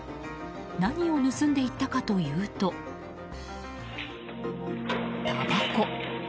何を盗んでいったかというとたばこ。